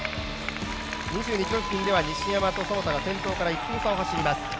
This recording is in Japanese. ２２ｋｍ付近では西山と其田が先頭から１分差を走ります。